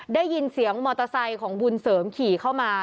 ได้ยินเสียงมอเตอร์ไซค์ของบุญเสริมขี่เข้ามา